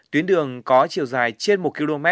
tuyến đường có chiều dài trên một km